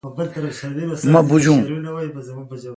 مہ بوجون۔